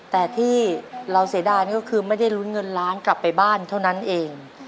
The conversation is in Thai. แต่ที่เราเสียดายนี่ก็คือไม่ได้ลุ้นเงินล้านกลับไปบ้านเท่านั้นเอง